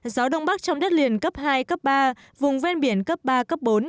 gió đông bắc trong đất liền cấp hai cấp ba vùng ven biển cấp ba cấp bốn